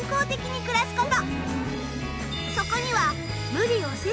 そこには。